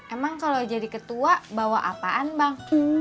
emang kalau jadi ketua bawa apaan bang